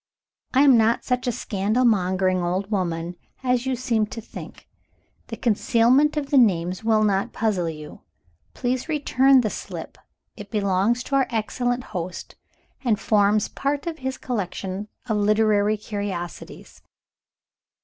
I am not such a scandal mongering old woman as you seem to think. The concealment of the names will not puzzle you. Please return the slip. It belongs to our excellent host, and forms part of his collection of literary curiosities."